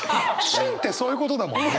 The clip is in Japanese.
旬ってそういうことだもんね。